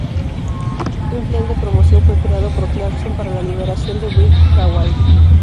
Un plan de promoción fue creado por Clarkson para la liberación de Breakaway.